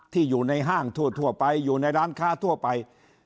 อยู่ในห้างทั่วไปอยู่ในร้านค้าทั่วไป